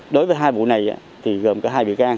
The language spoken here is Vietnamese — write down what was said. đối với hai vụ này thì gồm cả hai bị can